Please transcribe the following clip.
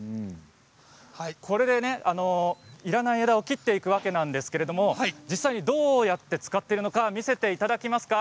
これでいらない枝を切っていくわけなんですが実際にどうやって使っているのか見せていただけますか？